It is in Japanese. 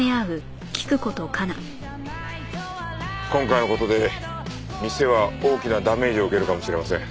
今回の事で店は大きなダメージを受けるかもしれません。